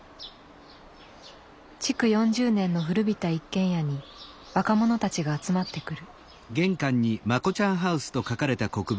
築４０年の古びた一軒家に若者たちが集まってくる。